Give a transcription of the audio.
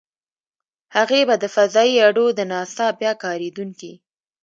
هغې به د فضايي اډو - د ناسا بیا کارېدونکې.